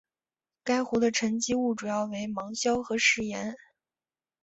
该湖的沉积物主要为芒硝和石盐。